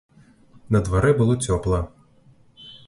На дварэ было цёпла.